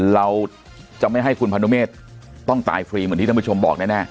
เราจะไม่ให้คุณพนุเมฆต้องตายฟรีเหมือนที่ท่านผู้ชมบอกแน่